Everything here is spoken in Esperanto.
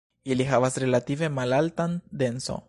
Ili havas relative malaltan denso.